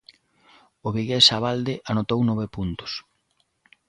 O vigués Abalde anotou nove puntos.